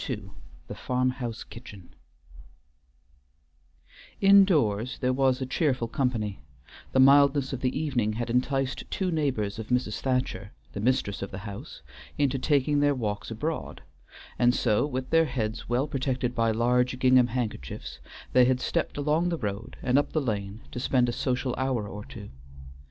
II THE FARM HOUSE KITCHEN Indoors there was a cheerful company; the mildness of the evening had enticed two neighbors of Mrs. Thacher, the mistress of the house, into taking their walks abroad, and so, with their heads well protected by large gingham handkerchiefs, they had stepped along the road and up the lane to spend a social hour or two.